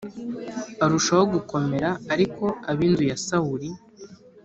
arushaho gukomera ariko ab inzu ya Sawuli